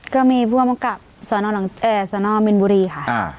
ก็มีผู้อำกับสนมินบุรีค่ะ